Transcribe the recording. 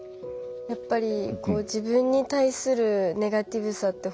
やっぱり自分に対するネガティブさって